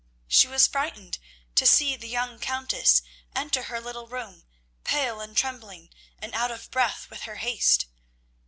She was frightened to see the young Countess enter her little room, pale and trembling, and out of breath with her haste.